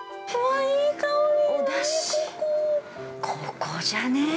◆ここじゃね！？